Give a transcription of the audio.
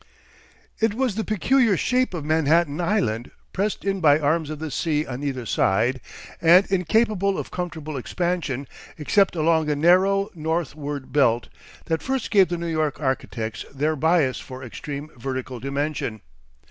It was the peculiar shape of Manhattan Island, pressed in by arms of the sea on either side, and incapable of comfortable expansion, except along a narrow northward belt, that first gave the New York architects their bias for extreme vertical dimensions.